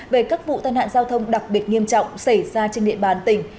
về các vụ tai nạn giao thông đặc biệt nghiêm trọng xảy ra trên địa bàn tỉnh